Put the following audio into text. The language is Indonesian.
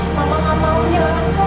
mama gak mau lihat anak kamu